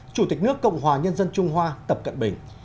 chủ tịch nước cộng hòa nhân dân trung hoa tập cận bình